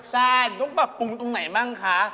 ใช่ต้องปรับปรุงตรงไหนบ้างคะ